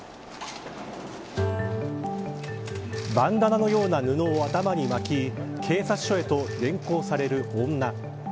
バンダナのような布を頭に巻き警察署へと連行される女。